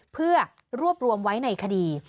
เพื่อรวบรวมไว้ในคดี